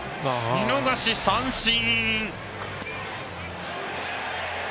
見逃し三振。